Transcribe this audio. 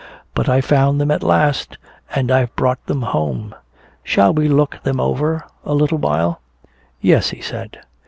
But I found them at last and I've brought them home. Shall we look them over a little while?" "Yes," he said.